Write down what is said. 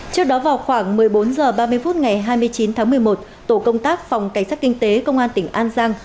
trước đó vào khoảng một mươi bốn h ba mươi phút ngày hai mươi chín tháng một mươi một tổ công tác phòng cảnh sát kinh tế công an tỉnh an giang